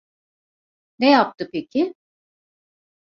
Ne yaptı peki?